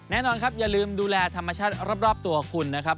แน่นอนครับอย่าลืมดูแลธรรมชาติรอบตัวคุณนะครับ